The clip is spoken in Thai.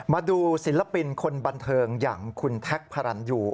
มาดูศิลปินคนบันเทิงอย่างคุณแท็กพารันยู